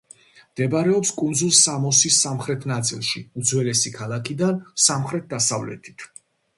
მდებარეობს კუნძულ სამოსის სამხრეთ ნაწილში, უძველესი ქალაქიდან სამხრეთ-აღმოსავლეთით.